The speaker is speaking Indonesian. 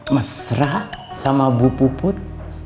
mesra sama bu puput